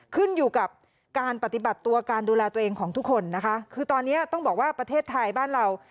ขึ้นอยู่กับการปฏิบัติตัวการดูแลตัวเองของทุกคนนะคะคือตอนนี้ต้องบอกว่าประเทศไทยบ้านเรา